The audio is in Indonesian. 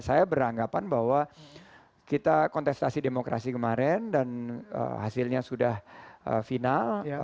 saya beranggapan bahwa kita kontestasi demokrasi kemarin dan hasilnya sudah final